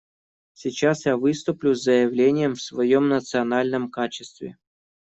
Сейчас я выступлю с заявлением в своем национальном качестве.